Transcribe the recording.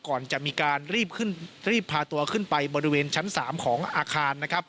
ก่อนจะมีการรีบพาตัวขึ้นไปบริเวณชั้น๓ของอาคาร